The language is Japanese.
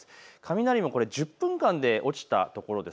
雷も１０分間で落ちたところです。